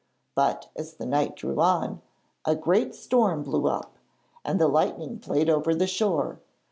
But as the night drew on, a great storm blew up and the lightning played over the shore.